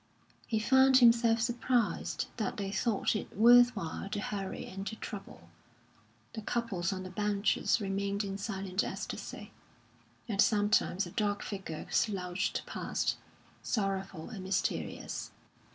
He found himself surprised that they thought it worth while to hurry and to trouble. The couples on the benches remained in silent ecstasy; and sometimes a dark figure slouched past, sorrowful and mysterious.